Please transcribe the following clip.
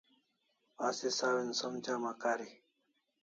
Asi sawin som jama kari